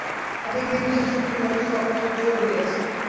তথাপি এই বিচার-শক্তিরও যথেষ্ট অপ্রাচুর্য রহিয়াছে।